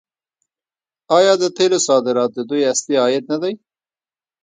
آیا د تیلو صادرات د دوی اصلي عاید نه دی؟